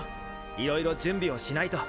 いろいろ準備をしないと。